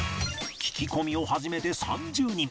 聞き込みを始めて３０人